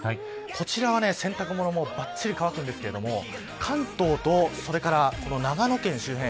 こちらは洗濯物もばっちり乾くんですけれど関東とそれから長野県周辺